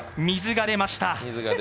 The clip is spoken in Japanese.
水が出ました。